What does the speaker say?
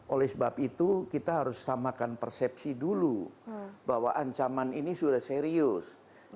oleh sebab itu kita harus samakan persepsi dulu bahwa ancaman ini sudah serius